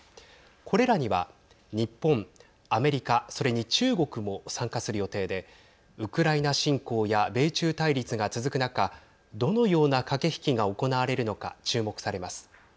これらには日本、アメリカそれに中国も参加する予定でウクライナ侵攻や米中対立が続く中どのような駆け引きが行われるのか注目されます。